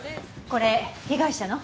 これ被害者の？